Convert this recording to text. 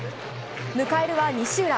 迎えるは西浦。